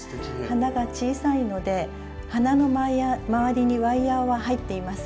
花が小さいので花の周りにワイヤーは入っていません。